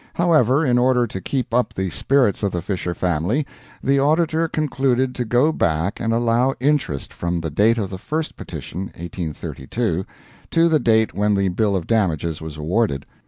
However, in order to keep up the spirits of the Fisher family, the Auditor concluded to go back and allow interest from the date of the first petition (1832) to the date when the bill of damages was awarded.